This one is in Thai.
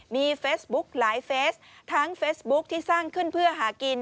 มีเฟซบุ๊กหลายเฟสทั้งเฟซบุ๊คที่สร้างขึ้นเพื่อหากิน